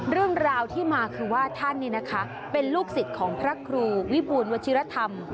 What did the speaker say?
เรื่องราวที่มาคือว่าท่านเป็นลูกศิษย์ของพระครูวิบูลวชิรธรรม